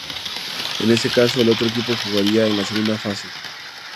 En ese caso, el otro equipo jugaría en la segunda fase.